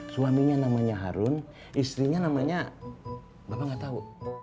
suaminya namanya harun istrinya namanya bapak gak tau